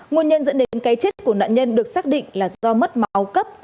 nguồn nhân dẫn đến cái chết của nạn nhân được xác định là do mất máu cấp